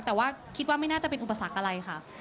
แต่ว่าคิดว่าไม่น่าจะเป็นอุปสรรคอะไรค่ะ